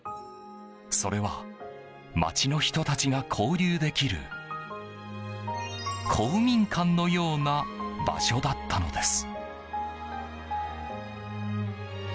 それは、町の人たちが交流できる公民館のような場所だったのです。